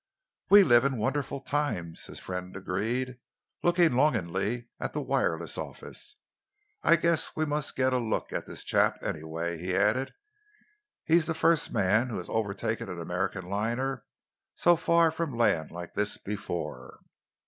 "We live in wonderful times," his friend agreed, looking longingly at the wireless office. "I guess we must get a look at this chap, anyway," he added. "He's the first man who has overtaken an American liner so far from land like this before."